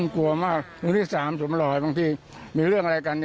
กลัวมากหนึ่งที่สามสมรอยบางที่มีเรื่องอะไรกัน